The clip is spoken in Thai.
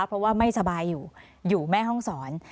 เพราะว่าไม่สบายอยู่อยู่แม่ห้องศร